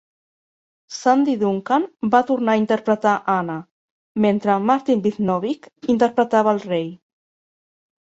Sandy Duncan va tornar a interpretar Anna, mentre Martin Vidnovic interpretava el rei.